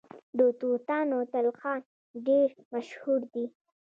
د توتانو تلخان ډیر مشهور دی.